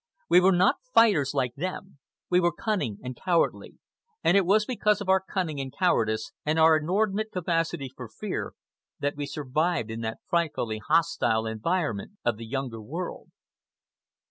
We were not fighters like them; we were cunning and cowardly, and it was because of our cunning and cowardice, and our inordinate capacity for fear, that we survived in that frightfully hostile environment of the Younger World.